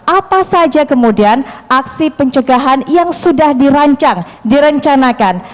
apa saja kemudian aksi pencegahan yang sudah dirancang direncanakan